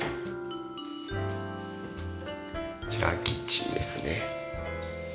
こちらキッチンですね。